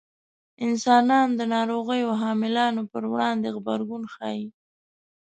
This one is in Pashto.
انسانان د ناروغیو حاملانو په وړاندې غبرګون ښيي.